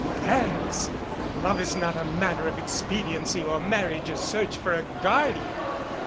Thanks. Love is not a matter of expe diency or marriage a search for a guardian.